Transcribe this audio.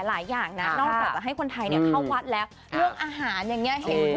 ไม่งั้นคงไม่ได้มาตรงนี้